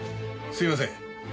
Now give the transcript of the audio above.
すいません。